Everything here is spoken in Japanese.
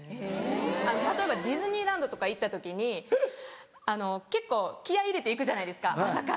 例えばディズニーランドとか行った時に結構気合入れて行くじゃないですか朝から。